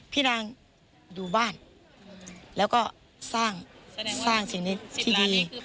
พี่นางดูบ้านแล้วก็สร้างสิ่งนี้ที่ดี